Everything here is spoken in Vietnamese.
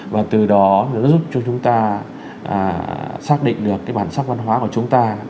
và từ đó nó giúp cho chúng ta xác định được cái bản sắc văn hóa của chúng ta